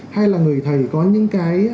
hay là người thầy có những cái